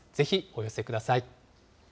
ぜひお寄せください。